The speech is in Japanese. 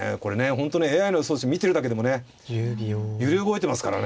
本当にＡＩの予想手見てるだけでもね揺れ動いてますからね。